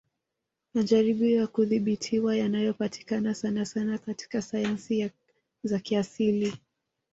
Majaribio ya kudhibitiwa yanayopatikana sanasana katika sayansi za kiasili